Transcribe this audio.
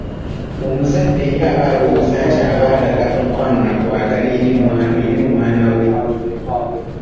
Omuzadde ye aba alowooza nti aba alaga mukwano n'okwagala eri omwana we.